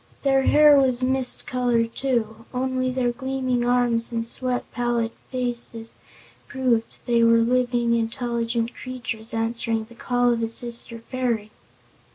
Their hair was mist color, too; only their gleaming arms and sweet, pallid faces proved they were living, intelligent creatures answering the call of a sister fairy.